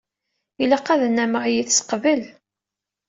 Ilaq ad nnameɣ yid-s qbel.